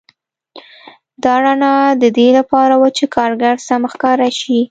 دا رڼا د دې لپاره وه چې کارګر سم ښکاره شي